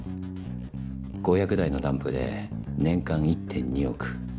５００台のダンプで年間１．２億。